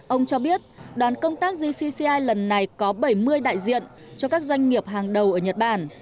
ông cho biết đoàn công tác gcci lần này có bảy mươi đại diện cho các doanh nghiệp hàng đầu ở nhật bản